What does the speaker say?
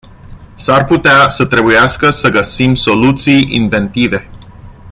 S-ar putea să trebuiască să găsim soluții inventive.